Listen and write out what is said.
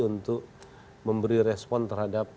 untuk memberi respon terhadap